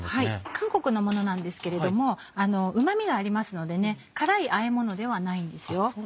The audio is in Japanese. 韓国のものなんですけれどもうま味がありますので辛いあえものではないんですよ。